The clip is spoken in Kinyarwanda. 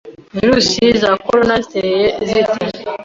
Virusi za corona ziteye zite